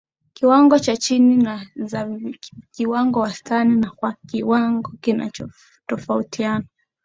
kiwango cha chini na za kiwango wastani kwa kiwango kinachotofautiana